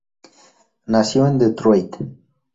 Nació en Detroit.